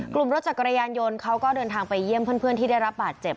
รถจักรยานยนต์เขาก็เดินทางไปเยี่ยมเพื่อนที่ได้รับบาดเจ็บ